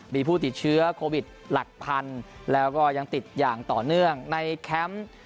มีผู้ติดเชื้อโควิดหลักพันแล้วก็ยังติดอย่างต่อเนื่องในแคมป์